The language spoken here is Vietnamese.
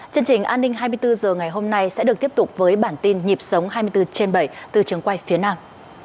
chương trình an ninh hai mươi bốn h ngày hôm nay sẽ được tiếp tục với bản tin nhịp sống hai mươi bốn trên bảy từ trường quay phía nam